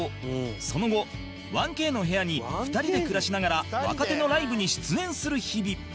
その後 １Ｋ の部屋に２人で暮らしながら若手のライブに出演する日々